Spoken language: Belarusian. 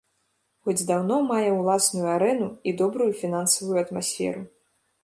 Хоць даўно мае ўласную арэну і добрую фінансавую атмасферу.